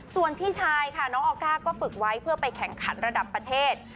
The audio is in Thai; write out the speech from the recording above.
ส่วนพี่ชายค่ะน้องออก้าก็ฝึกไว้เพื่อไปแข่งขันระดับประเทศ